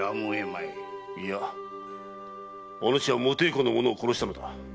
いやおぬしは無抵抗の者を殺したのだ。